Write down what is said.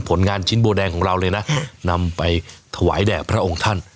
ผลงานชิ้นโบแดงของเราเลยนะนำไปถวายแด่พระองค์ท่าน